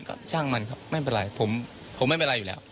ก็ช่างมันครับไม่เป็นไรผมไม่เป็นไรอยู่แล้ว